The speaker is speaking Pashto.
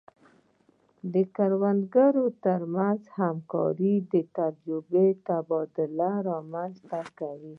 د کروندګرو ترمنځ همکاري د تجربو تبادله رامنځته کوي.